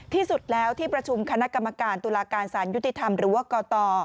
ที่สุดแล้วที่ประชุมคณะกรรมการตุลาการสารยุติธรรมหรือว่ากต